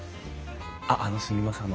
あっあのすみません。